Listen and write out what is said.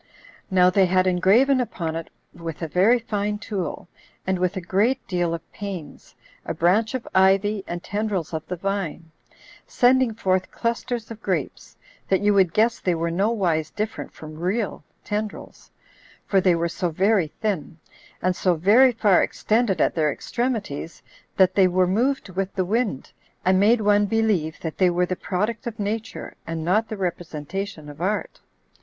Now they had engraven upon it with a very fine tool, and with a great deal of pains, a branch of ivy and tendrils of the vine, sending forth clusters of grapes, that you would guess they were nowise different from real tendrils; for they were so very thin, and so very far extended at their extremities, that they were moved with the wind, and made one believe that they were the product of nature, and not the representation of art.